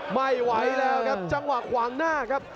ไม่ไหวแล้วครับจังหวะขวางหน้าครับ